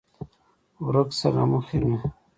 ورک شه له مخې مې!